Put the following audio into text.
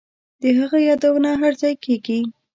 د هغه یادونه هرځای کیږي